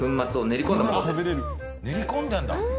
練り込んであるんだ。